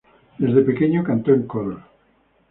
Desde pequeño cantó en coros.